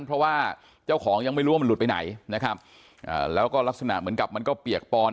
เพราะว่าเจ้าของยังไม่รู้ว่ามันหลุดไปไหนนะครับอ่าแล้วก็ลักษณะเหมือนกับมันก็เปียกปอน